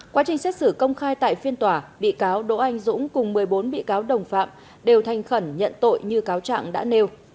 quá trình xét xử công khai tại phiên tòa bị cáo đỗ anh dũng cùng một mươi bốn bị cáo đồng phạm đều thanh khẩn nhận tội như cáo trạng đã nêu